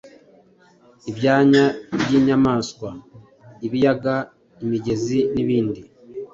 ibyanya by’inyamaswa, ibiyaga, imigezi n’ibindi.